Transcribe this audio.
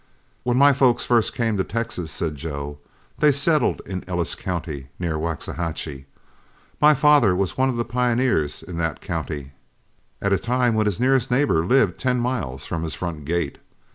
"When my folks first came to Texas," said Joe, "they settled in Ellis County, near Waxahachie. My father was one of the pioneers in that county at a time when his nearest neighbor lived ten miles from his front gate.